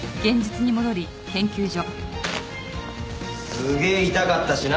すげえ痛かったしな！